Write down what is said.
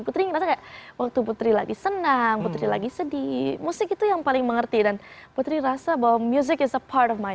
putri ngerasa kayak waktu putri lagi senang putri lagi sedih musik itu yang paling mengerti dan putri rasa bahwa musik adalah bagian dari hidup saya